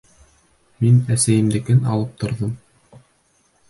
— Мин әсәйемдекен алып торҙом.